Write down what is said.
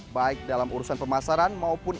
baik dalam urusan pemasaran maupun